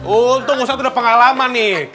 untung ustadz udah pengalaman nih